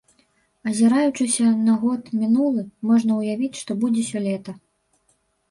Азіраючыся на год мінулы, можна ўявіць, што будзе сёлета.